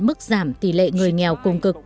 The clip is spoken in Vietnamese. mức giảm tỷ lệ người nghèo cùng cực